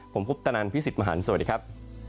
ผมภุตนันทร์พี่สิทธิ์มหารสวัสดีครับ